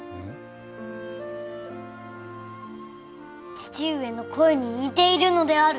父上の声に似ているのである！